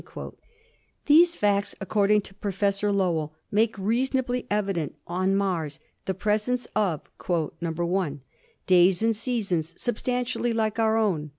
These facts, according to Professor Lowell, make rea sonably evident on Mars the presence of — "(1) Days and seasons substantially like our own.